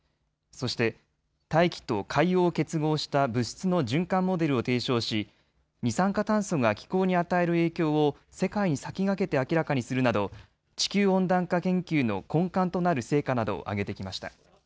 そして、大気と海洋を結合した物質の循環モデルを提唱し二酸化炭素が気候に与える影響を世界に先駆けて明らかにするなど地球温暖化研究の根幹となる成果などを挙げてきました。